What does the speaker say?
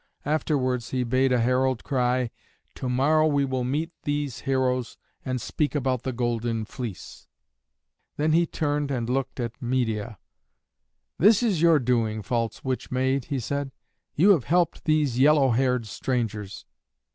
Afterwards he bade a herald cry, "To morrow we will meet these heroes and speak about the Golden Fleece!" Then he turned and looked at Medeia. "This is your doing, false witch maid," he said; "you have helped these yellow haired strangers."